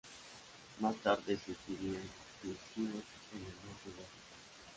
Más tarde surgirían yeshivot en el norte de África.